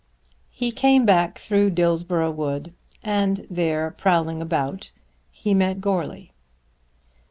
He came back through Dillsborough Wood; and there, prowling about, he met Goarly.